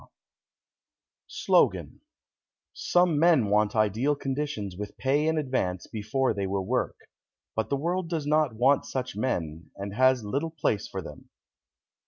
_ SLOGAN Some men want ideal conditions with pay in advance before they will work. But the world does not want such men, and has little place for them.